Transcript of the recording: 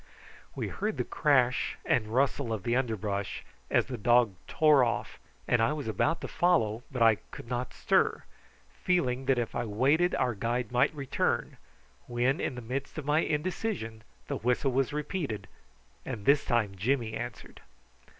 We heard the crash and rustle of the underwood as the dog tore off, and I was about to follow, but I could not stir, feeling that if I waited our guide might return, when, in the midst of my indecision, the whistle was repeated, and this time Jimmy answered.